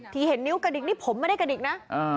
เห็นนิ้วกระดิกนี่ผมไม่ได้กระดิกนะ